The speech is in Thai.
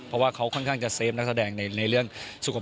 เพราะว่าเขาค่อนข้างจะเฟฟนักแสดงในเรื่องสุขภาพ